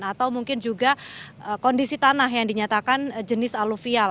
atau mungkin juga kondisi tanah yang dinyatakan jenis aluvial